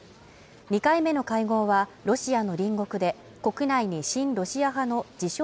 ２回目の会合はロシアの隣国で国内に親ロシア派の自称